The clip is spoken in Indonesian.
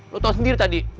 lo tau sendiri tadi